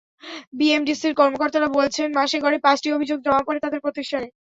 বিএমডিসির কর্মকর্তারা বলছেন, মাসে গড়ে পাঁচটি অভিযোগ জমা পড়ে তাঁদের প্রতিষ্ঠানে।